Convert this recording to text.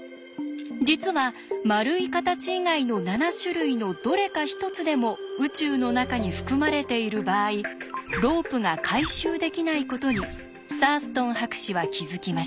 実は丸い形以外の７種類のどれか一つでも宇宙の中に含まれている場合ロープが回収できないことにサーストン博士は気付きました。